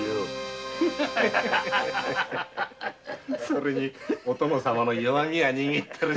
それにお殿様の弱味は握ってるしな。